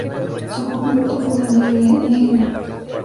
Su copiloto fue Daniel Elena.